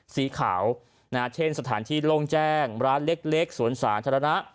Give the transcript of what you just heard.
สีขาวเช่นสถานที่โล่งแจ้งร้านเล็กสวนสาธารณะ